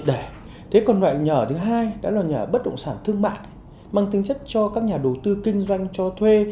đó là nhà bất động sản thương mại mang tính chất cho các nhà đầu tư kinh doanh cho thuê